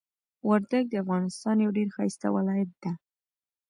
وردګ د افغانستان یو ډیر ښایسته ولایت ده.